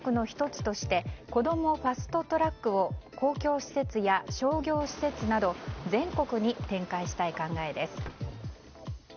政府は少子化対策の１つとしてこどもファスト・トラックを公共施設や商業施設など全国に展開したい考えです。